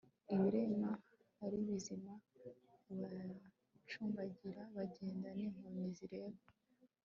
ibirema ari bizima, abacumbagira bagenda, n'impumyi zireba